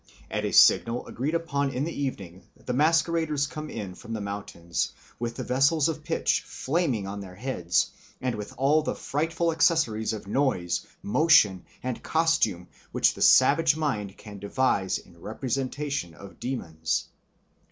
At a signal agreed upon in the evening the masqueraders come in from the mountains, with the vessels of pitch flaming on their heads, and with all the frightful accessories of noise, motion, and costume which the savage mind can devise in representation of demons.